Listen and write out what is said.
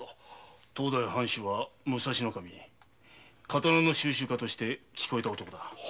当代の藩主は武蔵守刀の収集家として聞こえた男だ。